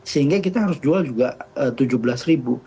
sehingga kita harus jual juga rp tujuh belas